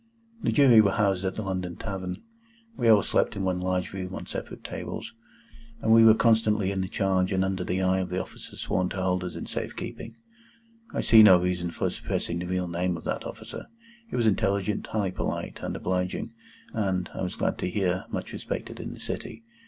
The Jury were housed at the London Tavern. We all slept in one large room on separate tables, and we were constantly in the charge and under the eye of the officer sworn to hold us in safe keeping. I see no reason for suppressing the real name of that officer. He was intelligent, highly polite, and obliging, and (I was glad to hear) much respected in the City.